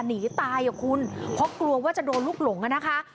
หนีตายอ่ะคุณเพราะกลัวว่าจะโดนลูกหลงอ่ะนะคะ